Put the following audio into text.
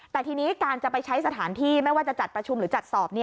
แต่ทีนี้การจะไปใช้สถานที่ไม่ว่าจะจัดประชุมหรือจัดสอบ